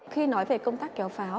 khi nói về công tác kéo pháo